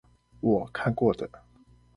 我看過的